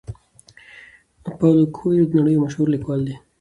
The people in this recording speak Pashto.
پاولو کویلیو د نړۍ یو مشهور لیکوال دی.